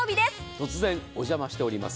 突然お邪魔しております。